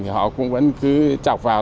thì họ cũng vẫn cứ chọc vào